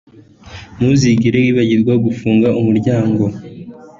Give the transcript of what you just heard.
Ntuzigere wibagirwa gufunga umuryango